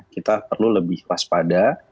kita perlu lebih kelas pada